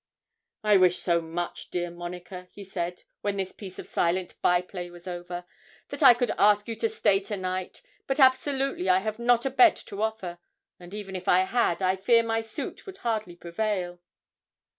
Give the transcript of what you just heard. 'I wish so much, dear Monica,' he said, when this piece of silent by play was over, 'that I could ask you to stay to night; but absolutely I have not a bed to offer, and even if I had, I fear my suit would hardly prevail.'